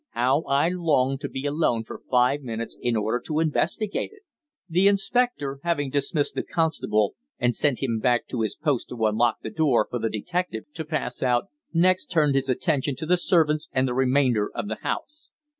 How I longed to be alone for five minutes in order to investigate it! The inspector, having dismissed the constable and sent him back to his post to unlock the door for the detective to pass out, next turned his attention to the servants and the remainder of the house.